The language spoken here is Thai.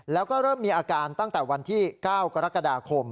แล้วก็เริ่มมีอาการตั้งแต่วันที่๙กรกฎาคม